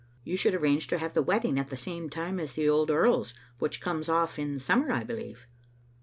You should arrange to have the wedding at the same time as the old earl's, which comes off in sum mer, I believe."